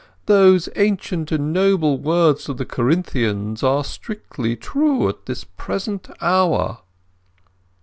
Those ancient and noble words to the Corinthians are strictly true at this present hour."